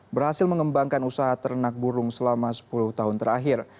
berhasil mengembangkan usaha ternak burung selama sepuluh tahun terakhir